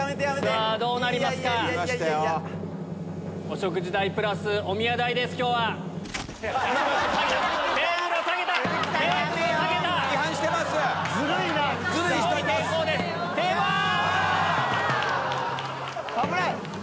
あ‼危ない！